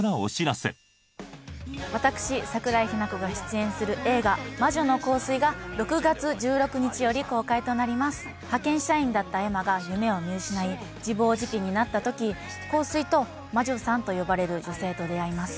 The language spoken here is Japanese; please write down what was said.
私桜井日奈子が出演する映画「魔女の香水」が６月１６日より公開となります派遣社員だった恵麻が夢を見失い自暴自棄になった時香水と「魔女さん」と呼ばれる女性と出会います